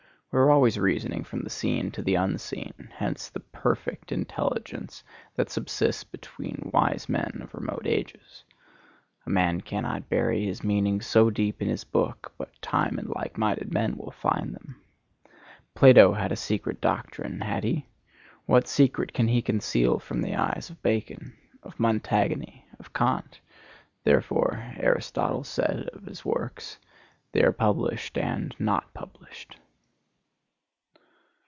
We are always reasoning from the seen to the unseen. Hence the perfect intelligence that subsists between wise men of remote ages. A man cannot bury his meanings so deep in his book but time and like minded men will find them. Plato had a secret doctrine, had he? What secret can he conceal from the eyes of Bacon? of Montaigne? of Kant? Therefore, Aristotle said of his works, "They are published and not published."